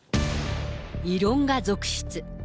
異論が続出。